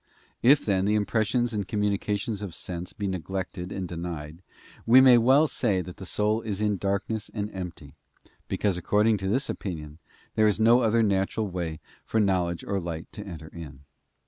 If, then, the impressions and communications of sense be neglected and denied, we may well say that the soul is in darkness and empty, because according to this opinion there is no other natural way for knowledge or light to enter in.